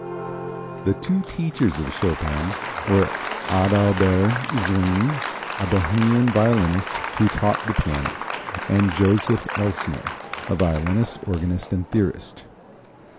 The two teachers of Chopin were Adalbert Zwyny, a Bohemian violinist, who taught the piano, and Joseph Elsner, a violinist, organist and theorist.